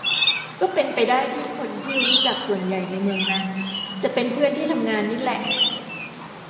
ก็เป็นไปได้ที่คนที่รู้จักส่วนใหญ่ในเมืองนั้น จะเป็นเพื่อนที่ทำงานนี่แหละ